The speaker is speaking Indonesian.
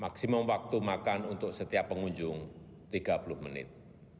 maksimum waktu makan untuk setiap pengunjung tiga puluh menit